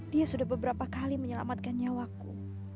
dia sudah beberapa kali menyelamatkan nyawaku